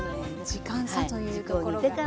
時間差というところが。